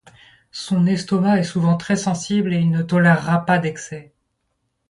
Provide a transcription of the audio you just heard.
Son estomac est souvent très sensible et il ne tolérera pas d'excès.